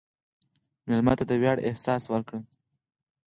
مېلمه ته د ویاړ احساس ورکړه.